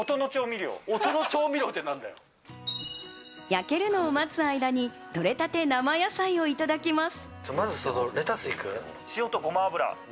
焼けるのを待つ間に採れたて生野菜をいただきます。